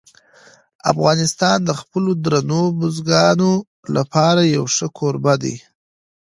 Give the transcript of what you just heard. افغانستان د خپلو درنو بزګانو لپاره یو ښه کوربه دی.